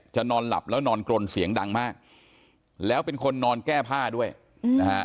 นอนหลับแล้วนอนกรนเสียงดังมากแล้วเป็นคนนอนแก้ผ้าด้วยนะฮะ